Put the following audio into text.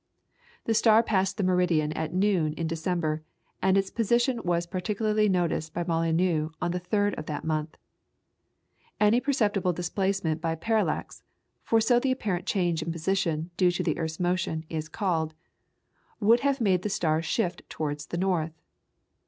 The star passed the meridian at noon in December, and its position was particularly noticed by Molyneux on the third of that month. Any perceptible displacement by parallax for so the apparent change in position, due to the earth's motion, is called would would have made the star shift towards the north.